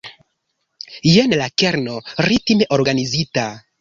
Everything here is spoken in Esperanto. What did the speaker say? Jen la kerno: ritme organizita.